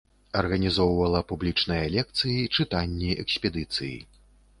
Арганізоўвала публічная лекцыі, чытанні, экспедыцыі.